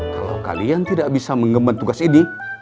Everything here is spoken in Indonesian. kalau kalian tidak bisa mengemban tugas ini